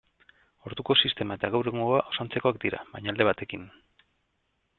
Orduko sistema eta gaur egungoa oso antzekoak dira, baina alde batekin.